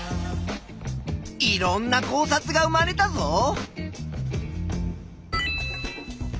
いろんな考察が生まれたぞ。